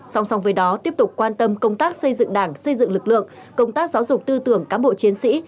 xong xong với đó tiếp tục quan tâm công tác xây dựng đảng xây dựng lực lượng công tác giáo dục tư tưởng cám bộ chiến sĩ